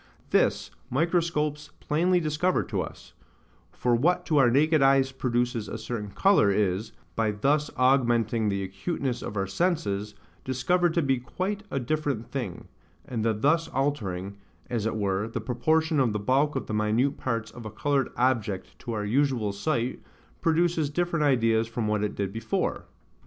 This microscopes plainly discover to us; for what to our naked eyes produces a certain colour, is, by thus augmenting the acuteness of our senses, discovered to be quite a different thing; and the thus altering, as it were, the proportion of the bulk of the minute parts of a coloured object to our usual sight, produces different ideas from what it did before.